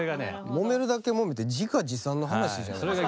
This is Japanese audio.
もめるだけもめて自画自賛の話じゃないですか。